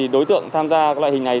đối tượng tham gia loại hình này